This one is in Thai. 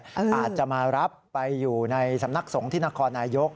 อาจจะมารับไปอยู่ในสำนักสงฆ์ที่นครนายก